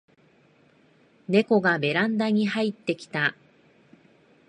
ネコがベランダに入ってきた